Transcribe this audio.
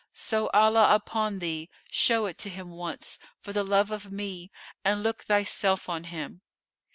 So Allah upon thee, show it to him once, for the love of me, and look thyself on him!"